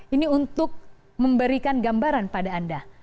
ini untuk memberikan gambaran pada anda